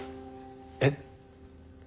えっ？